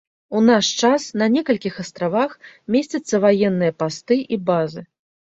У наш час на некалькіх астравах месцяцца ваенныя пасты і базы.